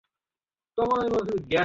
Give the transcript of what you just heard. Mark Knopfler এবং Julian Lennon দুই ভাই।